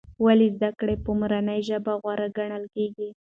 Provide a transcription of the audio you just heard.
ولې زده کړه په مورنۍ ژبه غوره ګڼل کېږي؟